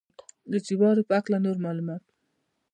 د جوارو په هکله نور معلومات.